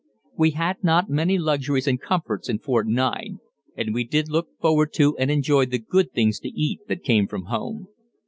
We had not many luxuries and comforts in Fort 9, and we did look forward to and enjoy the good things to eat that came from home.